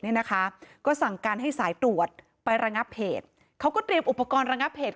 เนี่ยนะคะก็สั่งการให้สายตรวจไประงับเหตุเขาก็เตรียมอุปกรณ์ระงับเหตุ